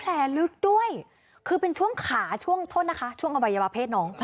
แผลลึกด้วยคือเป็นช่วงขาช่วงท่นนะคะช่วงอวัยวะเพศน้อง